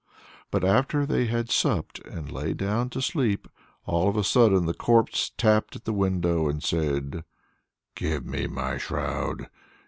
But after they had supped and lain down to sleep, all of a sudden the corpse tapped at the window and said: "Give me my shroud!